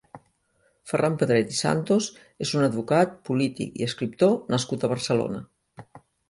Ferran Pedret i Santos és un advocat, polític i escriptor nascut a Barcelona.